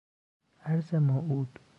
ارض موعود